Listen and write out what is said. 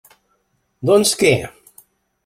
Doncs què?